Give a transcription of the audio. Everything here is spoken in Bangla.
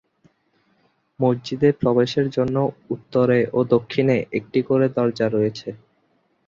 মসজিদে প্রবেশের জন্য উত্তরে ও দক্ষিণে একটি করে দরজা রয়েছে।